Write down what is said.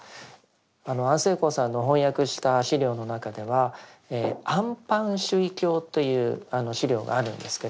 安世高さんの翻訳した資料の中では「安般守意経」という資料があるんですけれども。